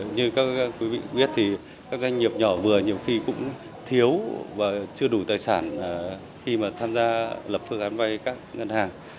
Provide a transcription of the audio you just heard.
như các quý vị biết thì các doanh nghiệp nhỏ vừa nhiều khi cũng thiếu và chưa đủ tài sản khi mà tham gia lập phương án vay các ngân hàng